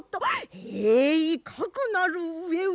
えいかくなる上は。